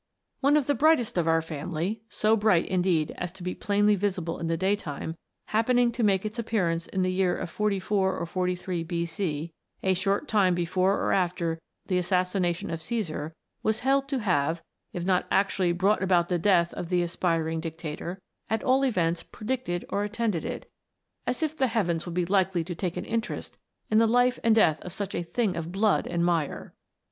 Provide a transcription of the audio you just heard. One of the brightest of our family so bright, indeed, as to be plainly visible in the daytime, happening to make its appearance in the year 44 or 43 B.C., a short time before or after the assassination of Csesar was held to have, if not actually brought about the death of the aspiring dictator, at all events predicted or attended it as if the heavens would be likely to take an interest in the life or death of such a " thing of blood and mire